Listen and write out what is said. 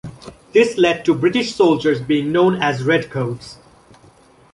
This led to British soldiers being known as red coats.